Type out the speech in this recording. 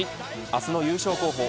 明日の優勝候補